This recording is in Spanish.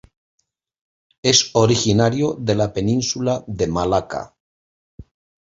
Es originario de la Península de Malaca